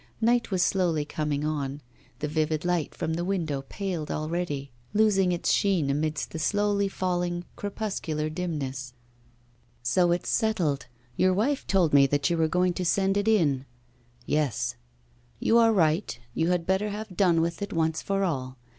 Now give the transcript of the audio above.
Night was slowly coming on, the vivid light from the window paled already, losing its sheen amidst the slowly falling crepuscular dimness. 'So it's settled; your wife told me that you were going to send it in.' 'Yes.' 'You are right; you had better have done with it once for all.